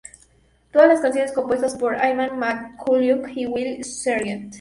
Todas las canciones compuestas por Ian McCulloch y Will Sergeant.